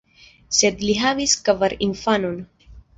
Sed li havis kvar infanon.